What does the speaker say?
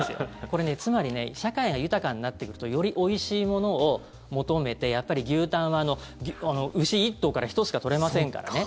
これ、つまり社会が豊かになってくるとよりおいしいものを求めて牛タンは、牛１頭から１つしか取れませんからね。